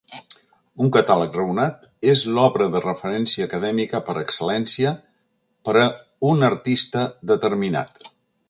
Un catàleg raonat és l'obra de referència acadèmica per excel·lència per a un artista determinat.